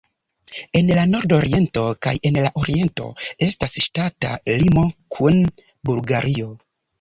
En la nordoriento kaj en la oriento estas ŝtata limo kun Bulgario.